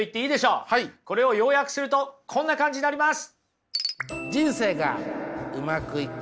これを要約するとこんな感じになります。